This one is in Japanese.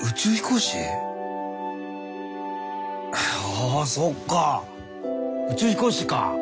あそっか宇宙飛行士か。